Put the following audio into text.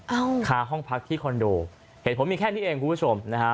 เอาคาห้องพักที่คอนโดเหตุผลมีแค่นี้เองคุณผู้ชมนะฮะ